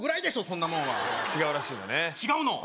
そんなもんは違うらしいのよね違うの？